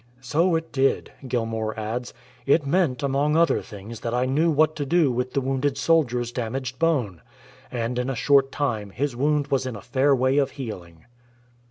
"So it did," Gilmour adds. " It meant among other things that I knew what to do with the wounded soldier's damaged bone ; and in a short time his wound was in a fair way of healing."